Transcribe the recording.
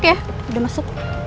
oke udah masuk